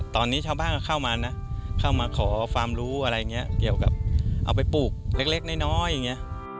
ตอนนี้ชาวบ้านก็เข้ามานะเข้ามาขอความรู้อะไรอย่างนี้เกี่ยวกับเอาไปปลูกเล็กน้อยอย่างนี้